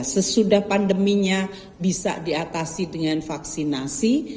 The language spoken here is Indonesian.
sesudah pandeminya bisa diatasi dengan vaksinasi